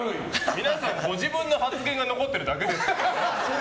皆さん、ご自分の発言が残ってるだけですから。